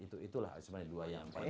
itulah dua yang paling penting